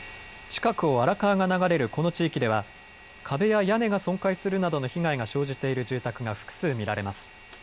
近くを荒川が流れるこの地域では壁や屋根が損壊するなどの被害が生じている住宅が複数見られます。